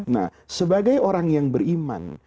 nah sebagai orang yang beriman